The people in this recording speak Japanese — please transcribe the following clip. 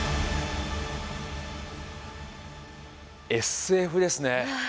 ＳＦですね。